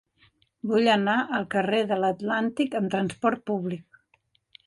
Vull anar al carrer de l'Atlàntic amb trasport públic.